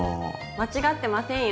間違ってませんよ。